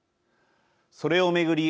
それを巡り